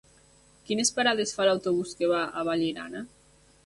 Quines parades fa l'autobús que va a Vallirana?